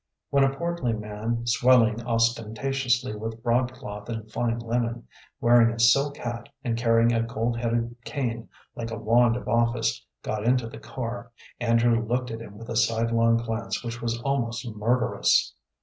When a portly man, swelling ostentatiously with broadcloth and fine linen, wearing a silk hat, and carrying a gold headed cane like a wand of office, got into the car, Andrew looked at him with a sidelong glance which was almost murderous.